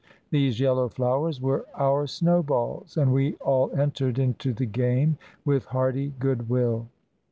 These yellow flowers were our snowballs, and we all entered into the game with hearty good will.